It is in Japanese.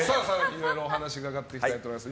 いろいろお話を伺って参りたいと思います。